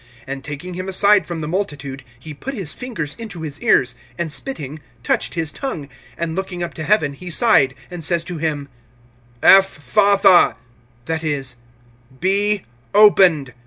(33)And taking him aside from the multitude he put his fingers into his ears, and spitting, touched his tongue, (34)and looking up to heaven, he sighed, and says to him: Ephphatha, that is, Be opened.